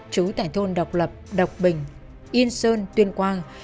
chú tải thôn độc lập độc bình yên sơn tuyên quang